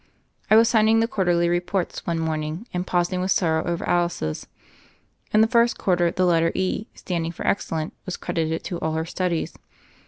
I was signing the quarterly reports one morn ing, and paused with sorrow over Alice's. In the first quarter, the letter E, standing for ex cellent, was credited to all her studies.